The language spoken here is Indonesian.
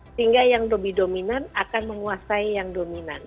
sehingga yang lebih dominan akan menguasai yang dominan